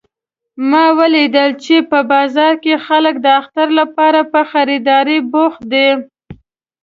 ما ولیدل چې په بازار کې خلک د اختر لپاره په خریدارۍ بوخت دي